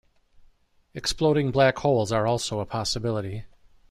Exploding black holes are also a possibility.